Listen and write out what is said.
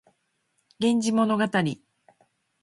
源氏物語